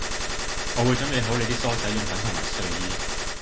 我會準備好你啲梳洗用品同埋睡衣